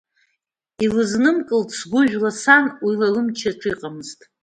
Илызнымкылт сгәыжәла сан, уи ла лымчаҿ иҟамызт.